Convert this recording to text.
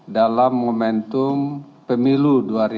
dalam momentum pemilu dua ribu sembilan belas